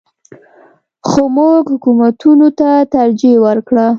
خو موږ حکومتونو ته ترجیح ورکړه.